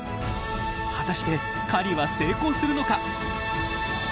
果たして狩りは成功するのか？